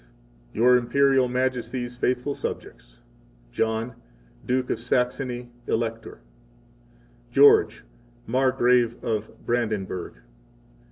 8 Your Imperial Majesty's faithful subjects: 9 John, Duke of Saxony, Elector 10 George, Margrave of Brandenburg.